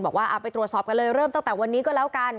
บอกว่าเอาไปตรวจสอบกันเลยเริ่มตั้งแต่วันนี้ก็แล้วกัน